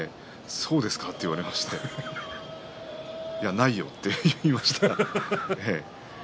そうですかと言われていや、ないよと言いました。